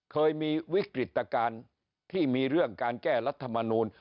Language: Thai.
เคยมีวิกฤตการณ์ที่มีเรื่องการแก้รัฐมนูล